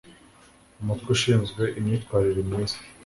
umutwe ushinzwe imyitwarire myiza